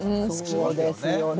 そうですよね。